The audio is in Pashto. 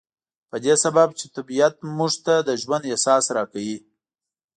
په دې سبب چې طبيعت موږ ته د ژوند احساس را کوي.